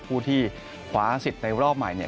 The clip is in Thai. ผู้ที่ขวาสิทธิ์ในรอบใหม่